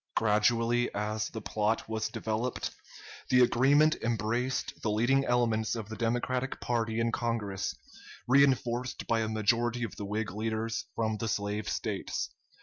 Gradually, as the plot was developed, the agreement embraced the leading elements of the Democratic party in Congress, reenforced by a majority of the Whig leaders from the slave States.